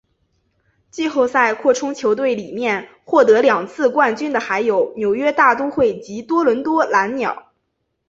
季后赛扩充球队里面获得两次冠军的还有纽约大都会及多伦多蓝鸟。